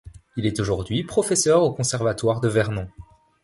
Il est aujourd'hui professeur au Conservatoire de Vernon.